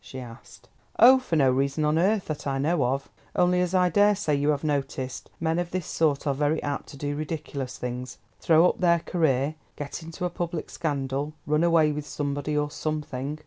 she asked. "Oh, for no reason on earth, that I know of; only, as I daresay you have noticed, men of this sort are very apt to do ridiculous things, throw up their career, get into a public scandal, run away with somebody or something.